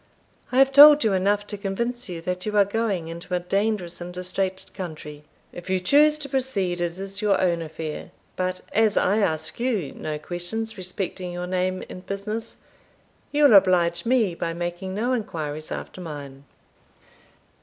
I have told you enough to convince you that you are going into a dangerous and distracted country. If you choose to proceed, it is your own affair; but as I ask you no questions respecting your name and business, you will oblige me by making no inquiries after mine."